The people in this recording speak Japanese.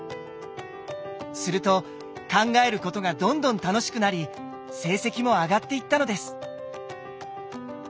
すると考えることがどんどん楽しくなり成績も上がっていったのです。